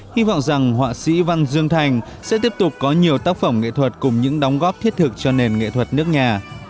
hy vọng rằng họa sĩ văn dương thành sẽ tiếp tục có nhiều tác phẩm nghệ thuật cùng những đóng góp thiết thực cho nền nghệ thuật nước nhà